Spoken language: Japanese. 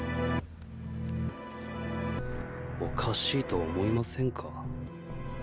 おかしいと思いませんか？